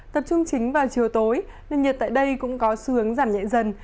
tập trung chính vào chiều tối nên nhiệt tại đây cũng có xu hướng giảm nhẹ dần